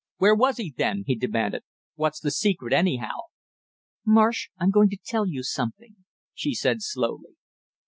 "Where was he, then?" he demanded. "What's the secret, anyhow?" "Marsh, I'm going to tell you something," she said slowly.